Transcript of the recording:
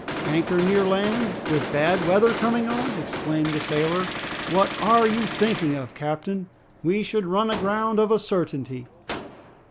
"Anchor near land, with bad weather coming on!" exclaimed the sailor. "What are you thinking of, captain? We should run aground, of a certainty!"